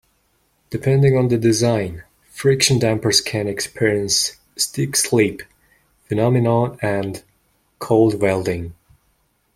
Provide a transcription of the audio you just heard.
Depending on the design, friction dampers can experience stick-slip phenomenon and Cold welding.